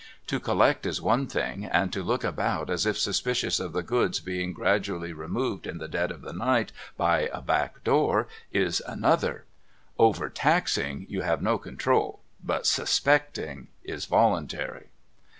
To collect is one thing, and to look about as if suspicious of the goods being gradually removing in the dead of the night by a back door is another, over taxing you have no control but suspecting is voluntary.